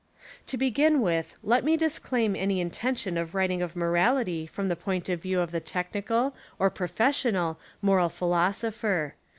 To begin with, let me disclaim any intention of writing of morality from the point of view of the technical, or professional, moral phi losopher.